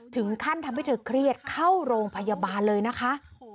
ถึงขั้นทำให้เธอเครียดเข้าโรงพยาบาลเลยนะคะ